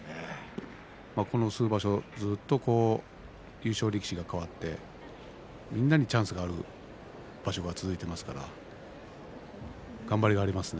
この数場所ずっと優勝力士が代わってみんなにチャンスがある場所が続いていますから頑張りがいがありますね。